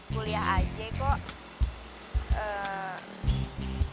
kuliah aja kok